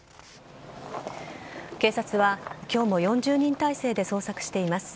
警察は今日も４０人態勢で捜索しています。